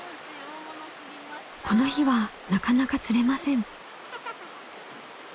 この日はなかなか釣れません。